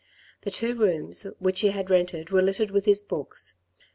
The two rooms which he had rented were littered with his books.